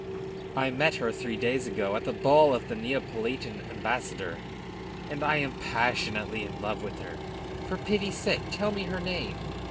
"I met her, three days ago, at the ball of the Neapolitan ambassador, and I am passionately in love with her. For pity's sake tell me her name.